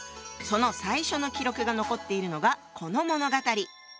その最初の記録が残っているのがこの物語。